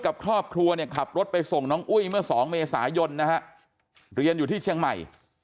กับครอบครัวขับรถไปส่งน้องอุ้ยเมื่อ๒เมษายนเรียนอยู่ที่